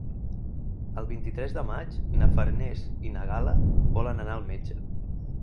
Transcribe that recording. El vint-i-tres de maig na Farners i na Gal·la volen anar al metge.